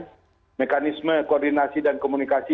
dan mekanisme koordinasi dan komunikasi